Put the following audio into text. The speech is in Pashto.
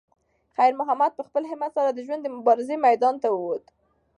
خیر محمد په خپل همت سره د ژوند د مبارزې میدان ته وووت.